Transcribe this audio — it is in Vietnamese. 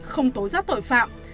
không tối giác tội phạm